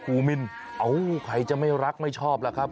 อ่ะว้าวใครจะไม่รักไม่ชอบนะครับ